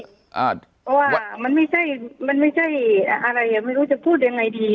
เพราะว่ามันไม่ใช่มันไม่ใช่อะไรไม่รู้จะพูดยังไงดี